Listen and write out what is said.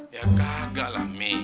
ya kagak lah